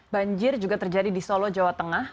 banjir juga terjadi di solo jawa tengah